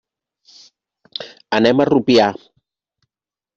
Anem a Rupià.